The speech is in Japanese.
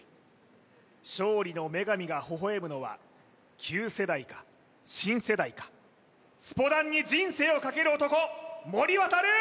勝利の女神がほほ笑むのは旧世代か新世代かスポダンに人生を懸ける男森渉・